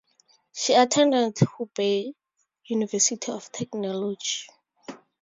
She attended Hubei University of Technology.